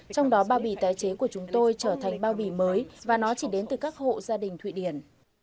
trong đó bao bì tái chế của chúng tôi trở thành bao bì mới và nó chỉ đến từ các hộ gia đình thụy điển